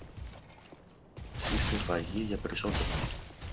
Ψήσε φαγί για περισσότερους